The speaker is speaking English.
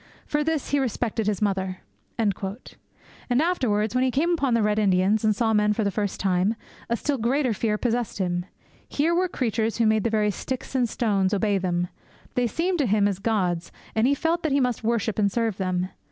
For this he respected his mother.' And afterwards, when he came upon the Red Indians, and saw men for the first time, a still greater fear possessed him. Here were creatures who made the very sticks and stones obey them! They seemed to him as gods, and he felt that he must worship and serve them.